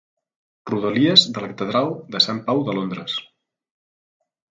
Rodalies de la Catedral de Sant Pau de Londres.